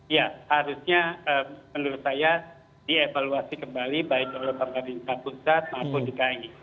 ya harusnya menurut saya dievaluasi kembali baik oleh pemerintah pusat maupun dki